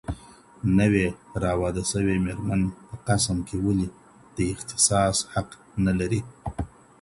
نوې راواده سوې ميرمن په قسم کې ولي د اختصاص حق نه لري؟